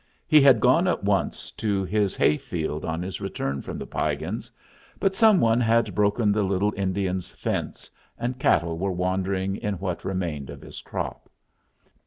He had gone at once to his hay field on his return from the Piegans, but some one had broken the little Indian's fence, and cattle were wandering in what remained of his crop.